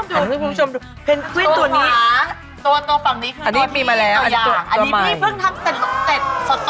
ให้คุณผู้ชมดูเป็นควินตัวนี้อันนี้มีมาแล้วอันนี้พึ่งทำเสร็จสดร้อน